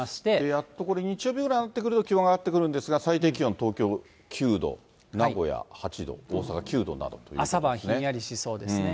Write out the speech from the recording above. やっとこれ、日曜日ぐらいになってくると、気温が上がってくるんですが、最低気温、東京９度、名古屋８度、朝晩ひんやりしそうですね。